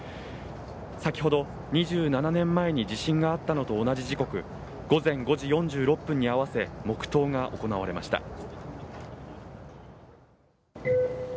先ほど、２７年前に地震があったのと同じ時刻、午前５時４６分に合わせ黙とうが行われました。